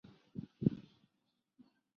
抱嶷居住在直谷。